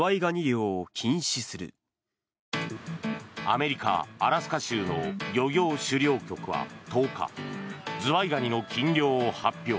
アメリカ・アラスカ州の漁業狩猟局は１０日ズワイガニの禁漁を発表。